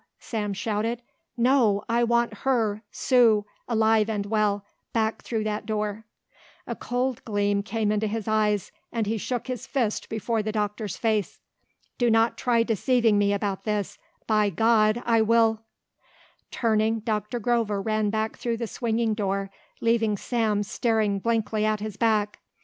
Sam shouted. "No! I want her Sue alive and well, back through that door." A cold gleam came into his eyes and he shook his fist before the doctor's face. "Do not try deceiving me about this. By God, I will " Turning, Doctor Grover ran back through the swinging door leaving Sam staring blankly at his back.